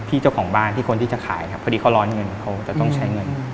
เจ้าของบ้านที่คนที่จะขายครับพอดีเขาร้อนเงินเขาจะต้องใช้เงิน